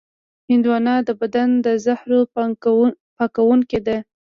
هندوانه د بدن د زهرو پاکوونکې ده.